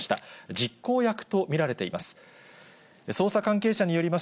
実行役と見られています。